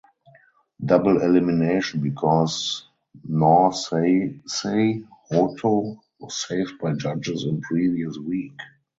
Double elimination because Naw Say Say Htoo was saved by judges in previous week.